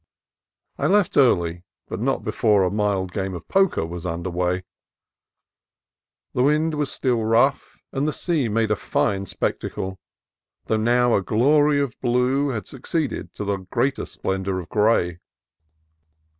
I left early, but not before a mild game of poker was under way. The wind was still rough, and the sea made a fine spectacle, though now a glory of blue had succeeded to the greater splendor of gray.